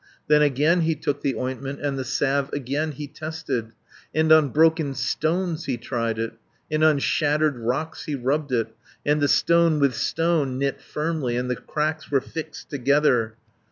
Then again he took the ointment, And the salve again he tested, And on broken stones he tried it, And on shattered rocks he rubbed it, And the stone with stone knit firmly, And the cracks were fixed together.